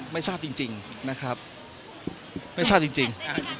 ไม่ทราบจริงนะครับไม่ทราบจริง